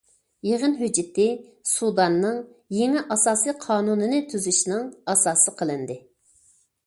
يىغىن ھۆججىتى سۇداننىڭ يېڭى ئاساسى قانۇننى تۈزۈشىنىڭ ئاساسى قىلىندى.